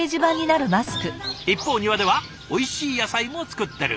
一方庭ではおいしい野菜も作ってる。